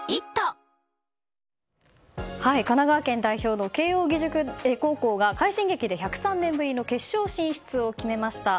神奈川県代表の慶応義塾高校が快進撃で１０３年ぶりに決勝進出を決めました。